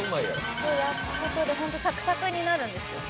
焼くことでホントサクサクになるんですよ